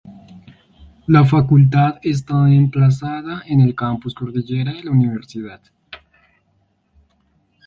La Facultad está emplazada en el Campus Cordillera de la Universidad.